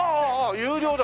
有料だ